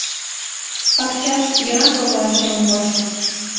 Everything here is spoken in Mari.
— Пакчаш, йыраҥ коклаш шылын вочна...